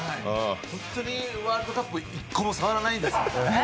本当にワールドカップ１個も触らないんですね。